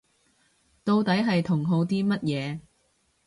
到底係同好啲乜嘢